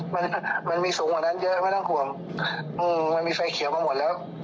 มันมันมีสูงกว่านั้นเยอะไม่ต้องห่วงอืมมันมีไฟเขียวมาหมดแล้ว